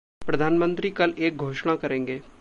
प्रधान मंत्री कल एक घोषणा करेंगे।